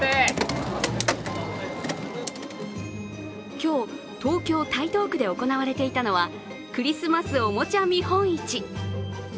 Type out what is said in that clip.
今日、東京・台東区で行われていたのはクリスマスおもちゃ見本市。